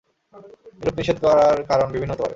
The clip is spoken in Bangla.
এরূপ নিষেধ করার কারণ বিভিন্ন হতে পারে।